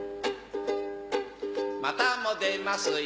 またも出ますよ